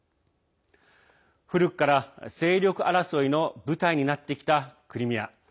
古くから勢力争いの舞台になってきたクリミア。